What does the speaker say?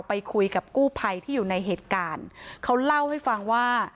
ไปคุยกับกู้ภัยที่อยู่ในเหตุการณ์เขาเล่าให้ฟังว่า